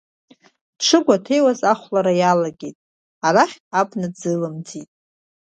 Дшыгәаҭеиуаз ахәлара иалагеит, арахь абна дзылымҵит.